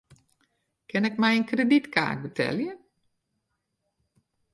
Kin ik mei in kredytkaart betelje?